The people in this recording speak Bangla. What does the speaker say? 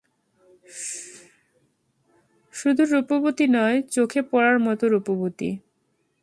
শুধু রূপবতী নয়, চোখে পড়ার মতো রূপবতী।